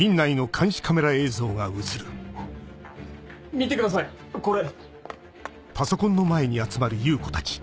見てくださいこれ。